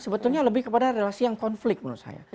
sebetulnya lebih kepada relasi yang konflik menurut saya